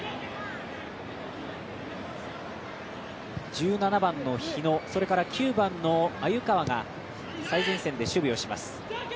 １７番の日野、それから９番の鮎川が最前線で守備をします。